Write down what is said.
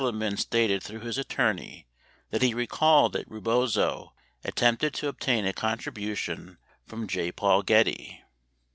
Haldeman stated through his attorney that he recalled that Rebozo attempted to obtain a contribution from J. Paul Getty.